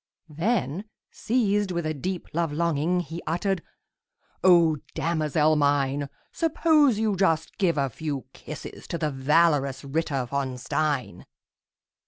Then, seized with a deep love longing, He uttered, "O damosel mine, Suppose you just give a few kisses To the valorous Ritter von Stein!"